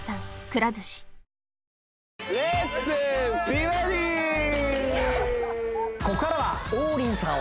美バディここからは王林さん